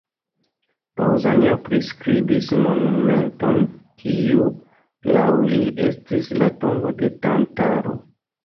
Paŭzanio priskribis monumenton kiu, laŭ li, estis la tombo de Tantalo.